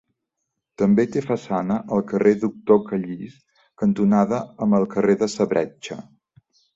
També té façana al carrer Doctor Callís, cantonada amb el carrer de sa Bretxa.